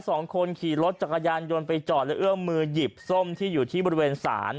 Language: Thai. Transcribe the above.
สองคนขี่รถจักรยานยนต์ไปจอดและเอื้อมมือหยิบส้มที่อยู่ที่บริเวณศาล